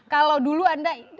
kalau dulu anda